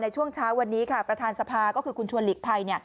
ช่วงเช้าวันนี้ค่ะประธานสภาก็คือคุณชวนหลีกภัย